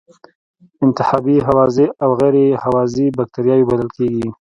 انتحابی هوازی او غیر هوازی بکټریاوې بلل کیږي.